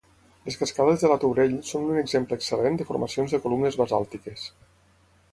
Les cascades de Latourell són un exemple excel·lent de formacions de columnes basàltiques.